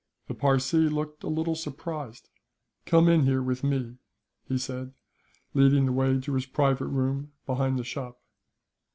The Parsee looked a little surprised. "Come in here with me," he said, leading the way to his private room, behind the shop.